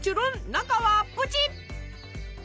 中はプチッ！